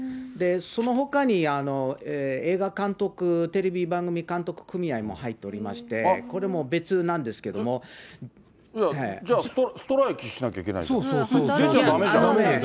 そのほかに映画監督テレビ番組監督組合も入っておりまして、これじゃあ、ストライキしなきゃいけないじゃん。だめ。